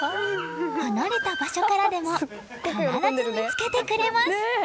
離れた場所からでも必ず見つけてくれます。